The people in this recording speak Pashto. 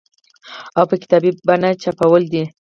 او په کتابي بڼه چاپول دي